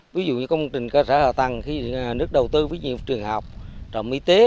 ví dụ như công trình cơ sở hạ tầng nước đầu tư với nhiều trường học trọng y tế